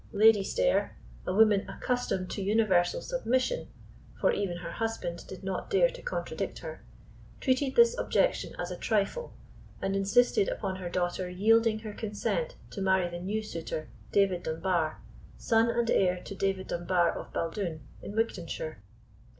Lady Stair, a woman accustomed to universal submission, for even her husband did not dare to contradict her, treated this objection as a trifle, and insisted upon her daughter yielding her consent to marry the new suitor, David Dunbar, son and heir to David Dunbar of Baldoon, in Wigtonshire.